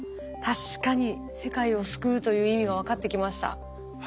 確かに世界を救うという意味が分かってきました。